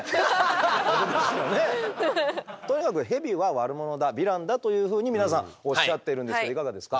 とにかくヘビは悪者だヴィランだというふうに皆さんおっしゃっているんですけどいかがですか？